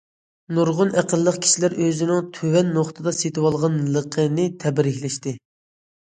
نۇرغۇن ئەقىللىك كىشىلەر ئۆزىنىڭ« تۆۋەن نۇقتىدا سېتىۋالغان» لىقىنى تەبرىكلەشتى.